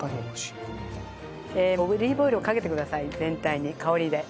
オリーブオイルをかけてください全体に香りで。